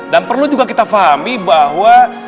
dan perlu juga kita fahami bahwa